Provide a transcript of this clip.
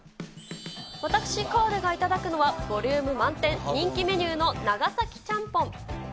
私、河出が頂くのは、ボリューム満点、人気メニューの長崎ちゃんぽん。